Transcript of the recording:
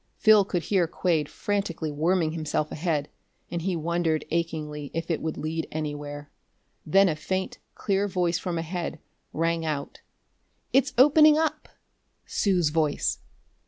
Phil could hear Quade frantically worming himself ahead, and he wondered achingly if it would lead anywhere. Then a faint, clear voice from ahead rang out: "It's opening up!" Sue's voice!